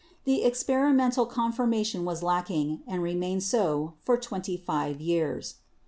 The experimental confirmation was lacking, and remained so for twenty five years.